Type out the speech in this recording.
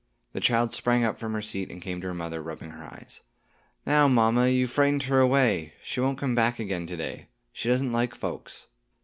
The child sprang up from her seat and came to her mother, rubbing her eyes. "Now, mamma, you've frightened her away; she won't come back again to day. She doesn't like folks."